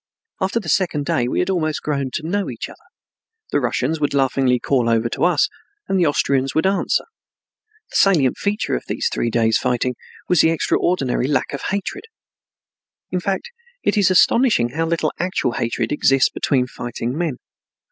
After the second day we had almost grown to know each other. The Russians would laughingly call over to us, and the Austrians would answer. The salient feature of these three days' fighting was the extraordinary lack of hatred. In fact, it is astonishing how little actual hatred exists between fighting men.